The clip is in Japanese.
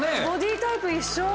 ボディータイプ一緒。